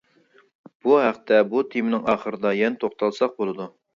بۇ ھەقتە بۇ تېمىنىڭ ئاخىرىدا يەنە توختالساق بولىدۇ.